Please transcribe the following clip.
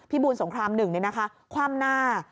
บูรสงคราม๑คว่ำหน้า